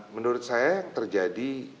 menurut saya yang terjadi